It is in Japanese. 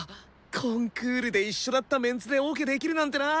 コンクールで一緒だったメンツでオケできるなんてな。